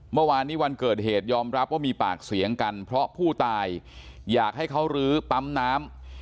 เมื่อวานนี้วันเกิดเหตุยอมรับว่ามีปากเสียงกันเพราะผู้ตายอยากให้เขาลื้อปั๊มน้ำ